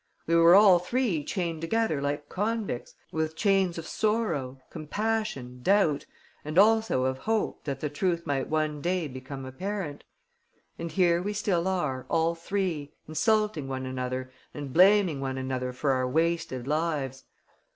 We were all three chained together like convicts, with chains of sorrow, compassion, doubt and also of hope that the truth might one day become apparent. And here we still are, all three, insulting one another and blaming one another for our wasted lives.